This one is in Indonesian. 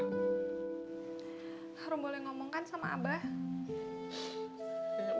harum boleh ngomongkan sama abah